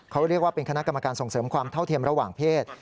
เขาเรียกว่าเป็นคณะกรรมการส่งเสริมความเท่าเทียมระหว่างเพศ